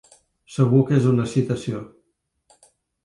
Segur que és una citació.